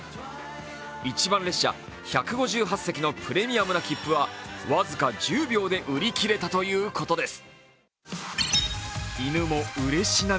一番列車、１５８席のプレミアムな切符は僅か１０秒で売り切れたということです。